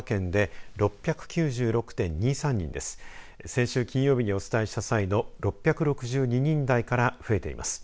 先週金曜日にお伝えした際の６６２人台から増えています。